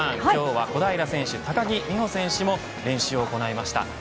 今日は小平選手、高木美帆選手も練習を行いました。